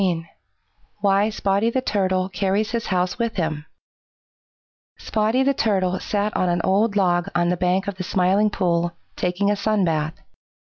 XV WHY SPOTTY THE TURTLE CARRIES HIS HOUSE WITH HIM Spotty the Turtle sat on an old log on the bank of the Smiling Pool, taking a sun bath.